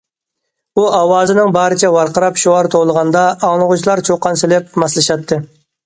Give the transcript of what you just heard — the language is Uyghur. ئۇ ئاۋازىنىڭ بارىچە ۋارقىراپ شوئار توۋلىغاندا ئاڭلىغۇچىلار چۇقان سېلىپ ماسلىشاتتى.